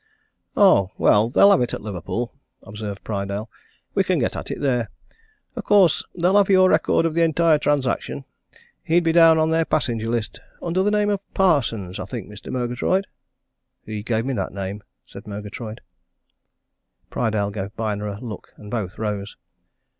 "Oh, well they'll have it at Liverpool," observed Prydale. "We can get at it there. Of course, they'll have your record of the entire transaction. He'd be down on their passenger list under the name of Parsons, I think, Mr. Murgatroyd?" "He gave me that name," said Murgatroyd. Prydale gave Byner a look and both rose.